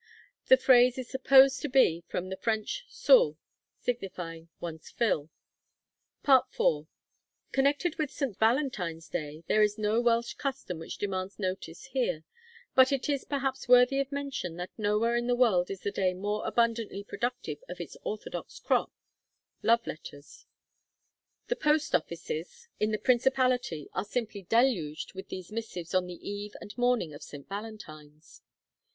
The phrase is supposed to be from the French soûl, signifying one's fill. FOOTNOTE: Vide W. Roberts's 'Crefydd yr Oesoedd Tywyll,' 1. IV. Connected with St. Valentine's Day, there is no Welsh custom which demands notice here; but it is perhaps worthy of mention that nowhere in the world is the day more abundantly productive of its orthodox crop love letters. The post offices in the Principality are simply deluged with these missives on the eve and morning of St. Valentine's.